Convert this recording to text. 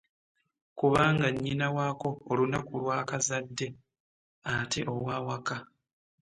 Kubanga nnyina waako olunaku lw'akazadde ate ow'awaka